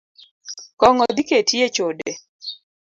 Kong’o dhi keti echode